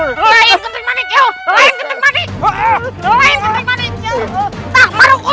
tanya kenting manik ya